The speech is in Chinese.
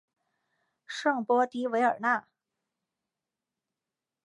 圣波迪韦尔奈。